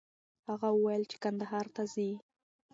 هغه وویل چې کندهار ته ځي.